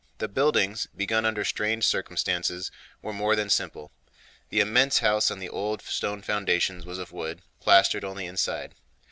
The buildings, begun under straitened circumstances, were more than simple. The immense house on the old stone foundations was of wood, plastered only inside.